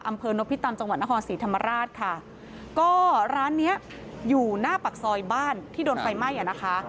อำเภอนพิตำจังหวัดนครศรีธรรมราชค่ะก็ร้านเนี้ยอยู่หน้าปากซอยบ้านที่โดนไฟไหม้อ่ะนะคะ